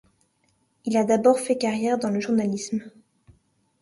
Il a d'abord fait carrière dans le journalisme.